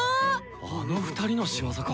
あの２人の仕業か。